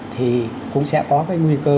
thì cũng sẽ có nguy cơ